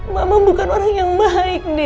mama bukan orang yang baik din